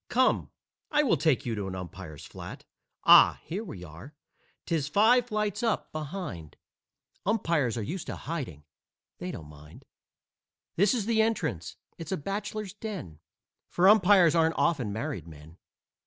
Come, I will take you to an umpire's flat. Ah! Here we are! 'Tis five flights up, behind; Umpires are used to hiding they don't mind. This is the entrance. It's a bachelor's den, For umpires aren't often married men.